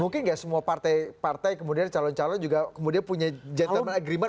mungkin nggak semua partai partai kemudian calon calon juga kemudian punya gentleman agreement